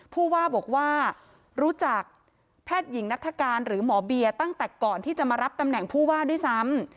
ผู้ว่าบอกว่ารู้จักแพทย์หญิงนัฐกาลหรือหมอเบียตั้งแต่ก่อนที่จะมารับตำแหน่งผู้ว่าด้วยซ้ำ